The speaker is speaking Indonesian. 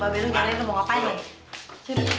mbak beli lo cari itu mau ngapain nih